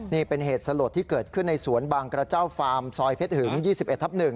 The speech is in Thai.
นี่เป็นเหตุสลดที่เกิดขึ้นในสวนบางกระเจ้าฟาร์มซอยเพชรหึง๒๑ทับ๑